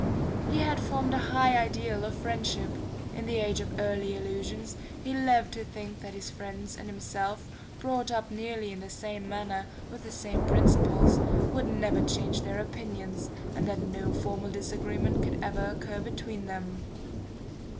He had formed a high ideal of friendship; in the age of early illusions he loved to think that his friends and himself, brought up nearly in the same manner, with the same principles, would never change their opinions, and that no formal disagreement could ever occur between them....